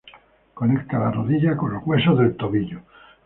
Conecta la rodilla con los huesos del tobillo.